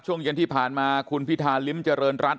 ช่วงเย็นที่ผ่านมาคุณพิธาริมเจริญรัฐ